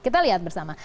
kita lihat bersama